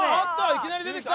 いきなり出てきた！